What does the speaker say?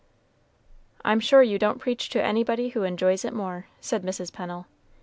"I'm sure you don't preach to anybody who enjoys it more," said Mrs. Pennel.